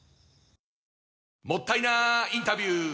もったいなインタビュー！